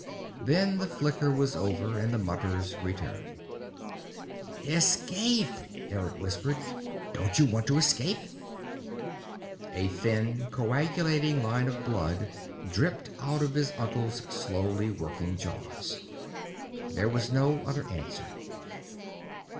Then the flicker was over and the mutters returned. "Escape!" Eric whispered. "Don't you want to escape?" A thin, coagulating line of blood dripped out of his uncle's slowly working jaws. There was no other answer.